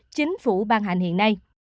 chính phủ ban hành hiện nay